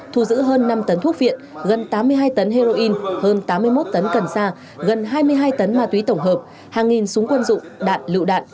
thu giữ hơn năm tấn thuốc viện gần tám mươi hai tấn heroin hơn tám mươi một tấn cần sa gần hai mươi hai tấn ma túy tổng hợp hàng nghìn súng quân dụng đạn lựu đạn